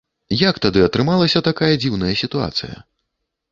Як тады атрымалася такая дзіўная сітуацыя?